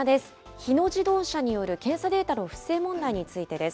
日野自動車による検査データの不正問題についてです。